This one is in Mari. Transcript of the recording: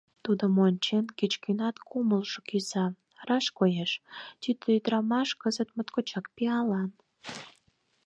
Тудым ончен, кеч-кӧнат кумылжо кӱза, раш коеш: тиде ӱдрамаш кызыт моткочак пиалан.